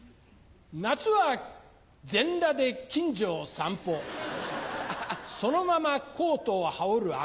夏は全裸で近所を散歩そのままコートを羽織る秋。